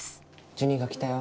ジュニが来たよ。